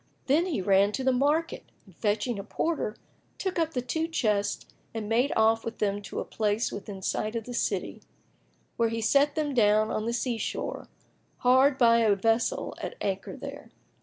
Then he ran to the market and fetching a porter, took up the two chests and made off with them to a place within sight of the city, where he set them down on the sea shore, hard by a vessel at anchor there.